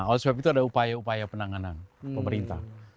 oleh sebab itu ada upaya upaya penanganan pemerintah